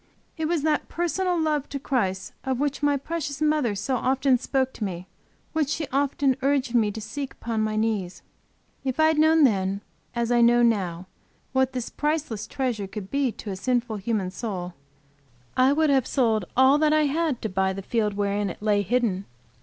It was that personal love to Christ of which my precious mother so often spoke to me which she often urged me to seek upon my knees. If I had known then, as I know now what this priceless treasure could be to a sinful human soul, I would have sold all that I had to buy the field wherein it lay hidden.